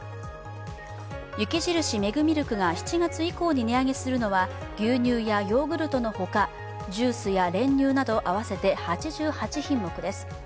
雪印メグミルクが７月以降に値上げするのは牛乳やヨーグルトのほか、ジュースや練乳など合わせて８８品目です。